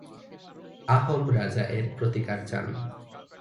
আহোম রাজা এর প্রতিকার চান।